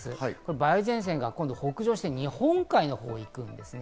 梅雨前線が北上して日本海のほうに行くんですね。